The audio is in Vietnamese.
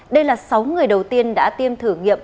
đây là sáu người đầu tiên đã tiêm thử nghiệm